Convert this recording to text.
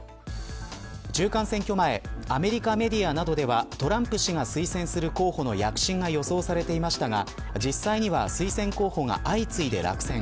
中間選挙前アメリカメディアなどではトランプ氏が推薦する候補の躍進が予想されていましたが実際には推薦候補が相次いで落選。